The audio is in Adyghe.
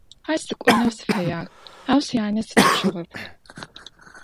Ащ сыкӀонэу сыфэягъ, ау сянэ ситӀупщыгъэп.